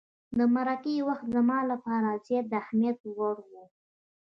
د مرکې وخت زما لپاره زیات د اهمیت وړ وو.